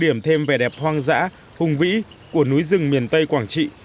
điểm thêm vẻ đẹp hoang dã hùng vĩ của núi rừng miền tây quảng trị